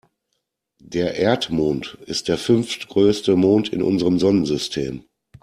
Der Erdmond ist der fünftgrößte Mond in unserem Sonnensystem.